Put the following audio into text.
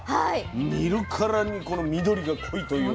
見るからにこの緑が濃いというか。